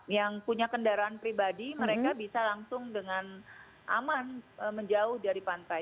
yang punya kendaraan pribadi mereka bisa langsung dengan aman menjauh dari pantai